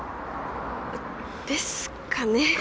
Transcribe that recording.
ですかね。